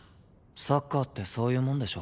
サッカーってそういうもんでしょ。